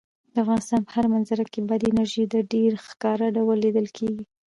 د افغانستان په هره منظره کې بادي انرژي په ډېر ښکاره ډول لیدل کېږي.